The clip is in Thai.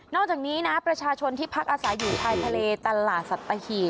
อกจากนี้นะประชาชนที่พักอาศัยอยู่ชายทะเลตลาดสัตหีบ